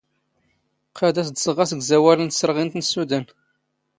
ⵇⵇⴰⴷ ⴰⵙ ⴷ ⵙⵖⵖ ⴰⵙⴳⵣⴰⵡⴰⵍ ⵏ ⵜⵙⵔⵖⵉⵏⵜ ⵏ ⵙⵙⵓⴷⴰⵏ.